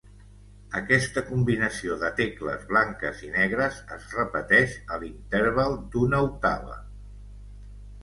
Aquesta combinació de tecles blanques i negres es repeteix a l'interval d'una octava.